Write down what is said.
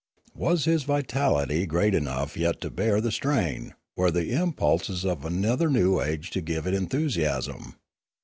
Was his vitality great enough yet to bear the strain, were the impulses of another new age to give it enthusiasm?